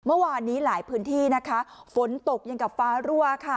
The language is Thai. เมื่อวานนี้หลายพื้นที่นะคะฝนตกยังกับฟ้ารั่วค่ะ